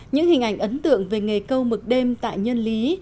những hình ảnh ấn tượng về nghề câu mực đêm tại nhân lý